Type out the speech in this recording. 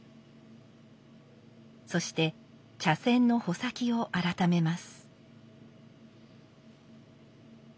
そして茶筅の穂先をあらためます。